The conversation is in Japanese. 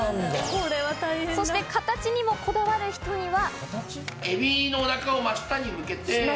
そして形にもこだわる人には。